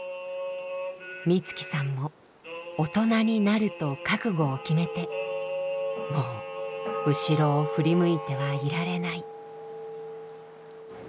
美月さんも大人になると覚悟を決めてもう後ろを振り向いてはいられない。